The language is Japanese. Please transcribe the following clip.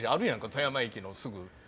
富山駅のすぐ。